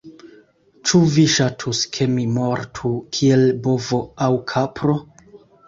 Ĉu vi ŝatus ke mi mortu kiel bovo, aŭ kapro?